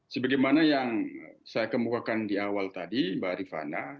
sebagai mana yang saya kemukakan di awal tadi mbak irvana